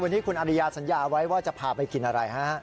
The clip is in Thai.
วันนี้คุณอริยาสัญญาไว้ว่าจะพาไปกินอะไรฮะ